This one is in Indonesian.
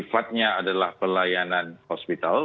sifatnya adalah pelayanan hospital